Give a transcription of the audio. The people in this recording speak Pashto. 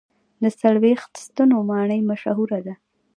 د څلوېښت ستنو ماڼۍ مشهوره ده.